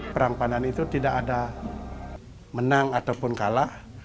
perang pandan itu tidak ada menang ataupun kalah